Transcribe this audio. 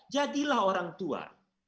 jadilah orang tua